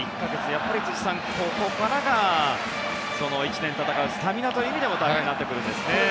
やっぱり辻さん、ここからが１年戦うスタミナという意味でも大変になってくるんですね。